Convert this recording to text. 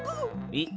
えっ？